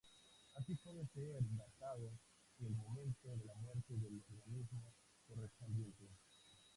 Así puede ser datado el momento de la muerte del organismo correspondiente.